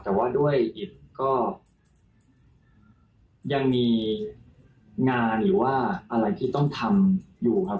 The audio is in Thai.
แต่ว่าด้วยอิตก็ยังมีงานหรือว่าอะไรที่ต้องทำอยู่ครับ